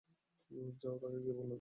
যাও তাকে গিয়ে বলে দাও।